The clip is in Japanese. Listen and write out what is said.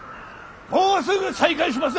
もうすぐ再開します